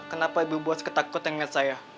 kenapa bu bos ketakut yang ngeliat saya